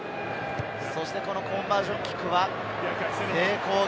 コンバージョンキックは成功！